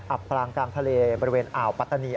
พลางกลางทะเลบริเวณอ่าวปัตตานี